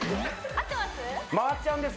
合ってます？